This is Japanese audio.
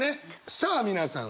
さあ皆さん